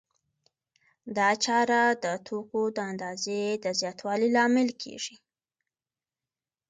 دا چاره د توکو د اندازې د زیاتوالي لامل کېږي